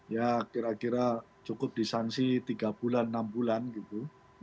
ya kira kira cukup disangsi tiga bulan enam bulan gitu